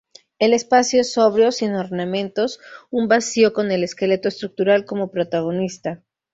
El espacio es sobrio, sin ornamentos, un vacío con el esqueleto estructural como protagonista.